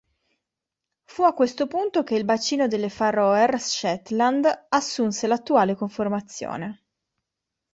Fu a questo punto che il bacino delle Fær Øer-Shetland assunse l'attuale conformazione.